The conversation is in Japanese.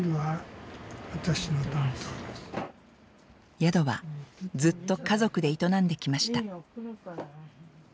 宿はずっと家族で営んできました。